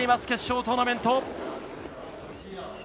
決勝トーナメント。